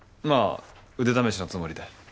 まあ腕試しのつもりで。